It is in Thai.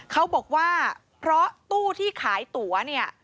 เขาบอกว่าเพราะตู้ที่ขายตั๋วเนี่ย